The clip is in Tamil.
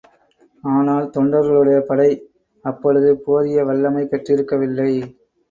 ஆனால் தொண்டர்களுடைய படை அப்பொழுது போதிய வல்லமை பெற்றிருக்கவில்லை.